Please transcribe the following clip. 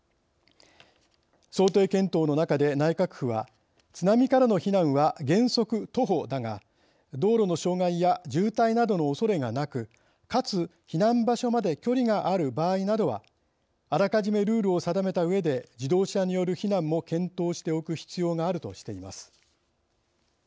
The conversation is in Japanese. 想定検討の中で内閣府は「津波からの避難は原則徒歩だが道路の障害や渋滞などのおそれがなくかつ避難場所まで距離がある場合などはあらかじめルールを定めたうえで自動車による避難も検討しておく必要がある」としています。